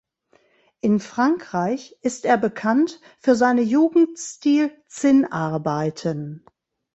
In Frankreich ist er bekannt für seine Jugendstil-Zinnarbeiten.